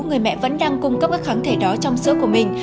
người mẹ vẫn đang cung cấp các kháng thể đó trong sữa của mình